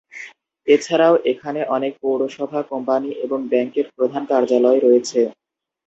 এছাড়াও এখানে অনেক পৌরসভা, কোম্পানি এবং ব্যাংকের প্রধান কার্যালয় রয়েছে।